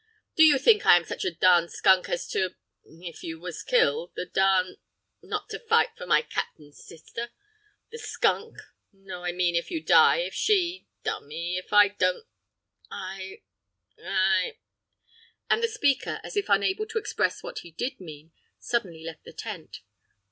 "Do you think I am such a darn skunk as to—if you was killed—the darn—not to fight for my capt'n's sister—the skunk—no, I mean, if you die—if she—darn me, if I don't—I—I—" and the speaker, as if unable to express what he did mean, suddenly left the tent.